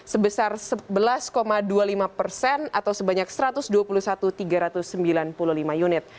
sebesar sebelas dua puluh lima persen atau sebanyak satu ratus dua puluh satu tiga ratus sembilan puluh lima unit